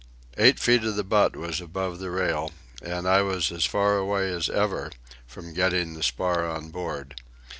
Eight feet of the butt was above the rail, and I was as far away as ever from getting the spar on board.